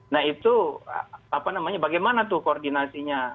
nah itu apa namanya bagaimana tuh koordinasinya